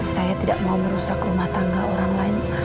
saya tidak mau merusak rumah tangga orang lain